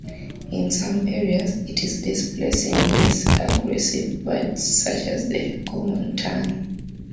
In some areas, it is displacing less aggressive birds such as the common tern.